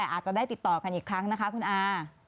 อาจจะได้ติดต่อกันอีกครั้งนะคะคุณอา